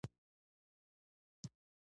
ما موخه لرله چې د اروپا مشهورې ژبې زده کړم